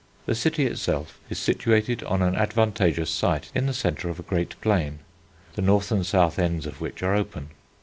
The city itself is situated on an advantageous site in the centre of a great plain, the north and south ends of which are open.